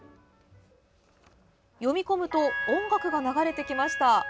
読み込むと音楽が流れてきました。